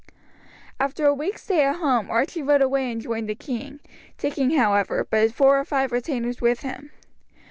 After a week's stay at home Archie rode away and joined the king, taking, however, but four or five retainers with him.